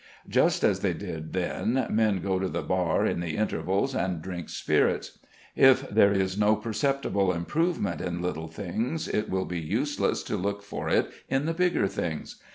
Just as they did then, men go to the bar in the intervals and drink spirits. If there is no perceptible improvement in little things, it will be useless to look for it in the bigger things.